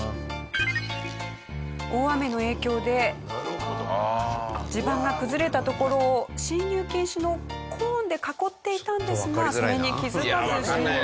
大雨の影響で地盤が崩れた所を進入禁止のコーンで囲っていたんですがそれに気づかず進入。